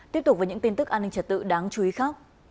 tiếp tục với những tin tức an ninh trật tự đáng chú ý khác